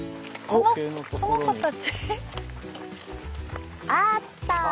あった！